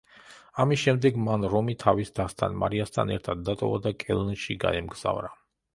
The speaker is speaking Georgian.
ამის შემდეგ მან რომი თავის დასთან, მარიასთან ერთად დატოვა და კელნში გაემგზავრა.